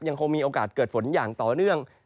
ยังคงมีโอกาสเกิดฝนอย่างต่อเนื่อง